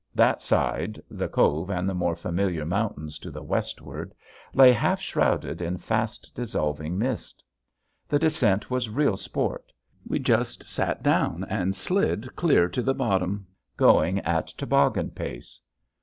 That side the cove and the more familiar mountains to the westward lay half shrouded in fast dissolving mist. The descent was real sport. We just sat down and slid clear to the bottom, going at toboggan pace.